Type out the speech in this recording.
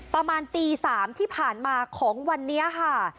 ประมาณตี๓ที่ผ่านมาของวันนี้ค่ะ